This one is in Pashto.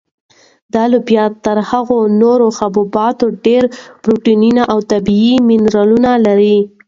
دا لوبیا تر هغو نورو حبوباتو ډېر پروټین او طبیعي منرالونه لري.